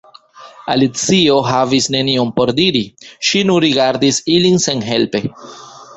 Alicio havis nenion por diri; ŝi nur rigardis ilin senhelpe.